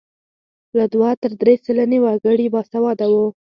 له دوه تر درې سلنې وګړي باسواده وو.